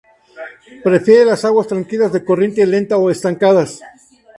Prefiere las aguas tranquilas de corriente lenta o estancadas.